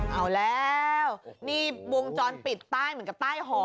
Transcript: เอาแล้วนี่วงจรปิดใต้เหมือนกับใต้ห่อ